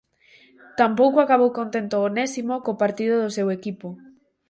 Tampouco acabou contento Onésimo co partido do seu equipo.